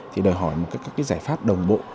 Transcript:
thì đòi hỏi một cái giải pháp đồng bộ